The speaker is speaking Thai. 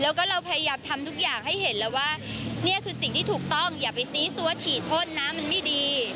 แล้วก็พยายามทำทุกอย่างให้เห็นว่าเนี่ยสิ่งที่ถูกต้องอย่าไปสี้ซัวฉีดโบสถ์น้ำไม่ดี